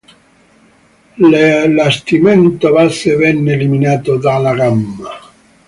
L'allestimento Base venne eliminato dalla gamma.